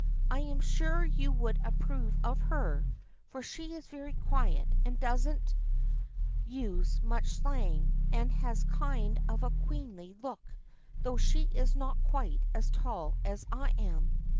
I am sure you would approve of her for she is very quiet and doesn't use much slang and has a kind of a queenly look though she is not quite as tall as I am.